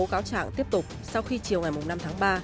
cáo trạng tiếp tục sau khi chiều ngày năm tháng ba